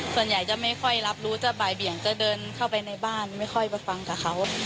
ส่วนใหญ่จะไม่ค่อยรับรู้จะบ่ายเบี่ยงจะเดินเข้าไปในบ้านไม่ค่อยไปฟังกับเขา